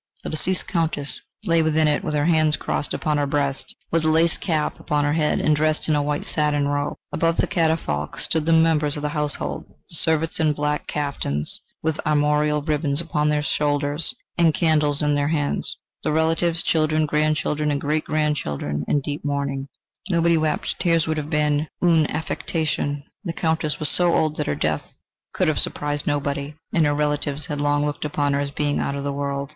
The deceased Countess lay within it, with her hands crossed upon her breast, with a lace cap upon her head and dressed in a white satin robe. Around the catafalque stood the members of her household: the servants in black caftans, with armorial ribbons upon their shoulders, and candles in their hands; the relatives children, grandchildren, and great grandchildren in deep mourning. Nobody wept; tears would have been une affectation. The Countess was so old, that her death could have surprised nobody, and her relatives had long looked upon her as being out of the world.